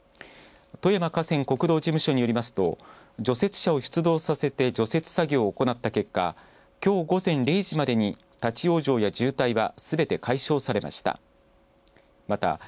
富山河川国道事務所によりますと除雪車を出動させて除雪作業を行った結果きょう午前０時までに立往生や渋滞はすべて解消されました。